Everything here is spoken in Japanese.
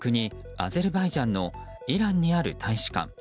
アゼルバイジャンのイランにある大使館。